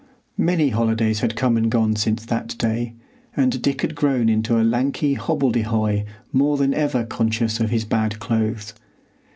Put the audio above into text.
Many holidays had come and gone since that day, and Dick had grown into a lanky hobbledehoy more than ever conscious of his bad clothes.